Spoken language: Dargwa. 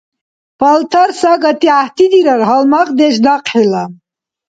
Палтар сагати гӀяхӀти дирар, гьалмагъдеш - дахъхӀила.